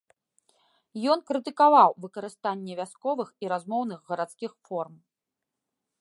Ён крытыкаваў выкарыстанне вясковых і размоўных гарадскіх форм.